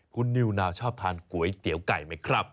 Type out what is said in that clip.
คุณนิวนาวชอบทานก๋วยเตี๋ยวไก่ไหมครับ